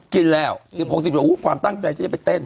กินแล้ว๑๖๑๐ความตั้งใจที่จะไปเต้น